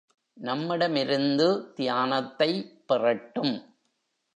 நம்மிடமிருந்து தியானத்தை பெறட்டும்.